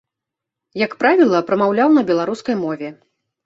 Як правіла, прамаўляў на беларускай мове.